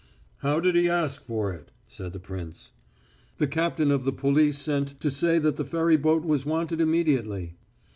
"How did he ask for it?" said the prince. "The captain of the police sent to say that the ferry boat was wanted immediately."